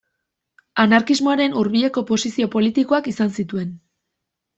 Anarkismoaren hurbileko posizio politikoak izan zituen.